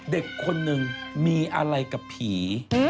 เด็กคนนึงมีอะไรกับผี